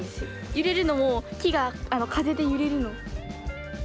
揺れるのも、木が風で揺れるのを。